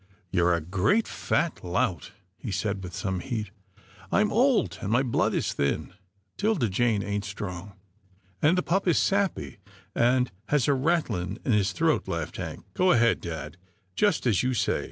" You're a great, fat lout," he said with some heat. " I'm old, and my blood is thin. 'Tilda Jane ain't strong —"" And the pup is sappy, and has a rattling in his throat," laughed Hank. " Go ahead, dad — just as you say.